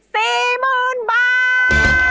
สี่หมื่นบาท